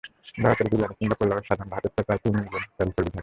দাওয়াতের বিরিয়ানি কিংবা পোলাওয়ে সাধারণ ভাতের চেয়ে প্রায় তিন গুন তেল-চর্বি থাকে।